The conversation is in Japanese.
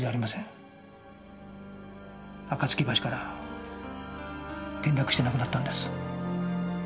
暁橋から転落して亡くなったんです。